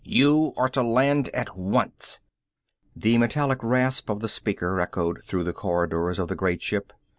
You are to land at once!" The metallic rasp of the speaker echoed through the corridors of the great ship.